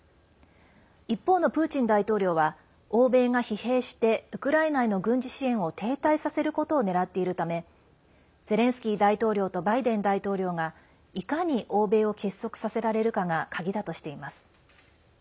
一方のプーチン大統領は欧米が疲弊してウクライナへの軍事支援を停滞させることを狙っているためゼレンスキー大統領とバイデン大統領がいかに欧米を結束させられるかが鍵だとしています。